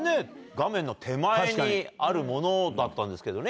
画面の手前にあるものだったんですけどね。